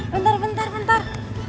bentar bentar bentar